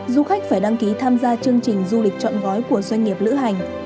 du khách phải đăng ký tham gia chương trình du lịch chọn gói của doanh nghiệp lữ hành